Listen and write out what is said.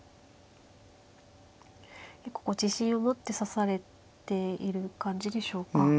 結構こう自信を持って指されている感じでしょうか。